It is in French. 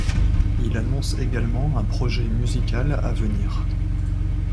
Il annonce également un projet musical à venir.